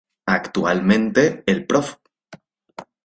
Actualmente, el Prof.